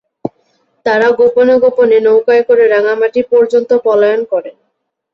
তাঁরা গোপনে গোপনে নৌকায় করে রাঙামাটি পর্যন্ত পলায়ন করেন।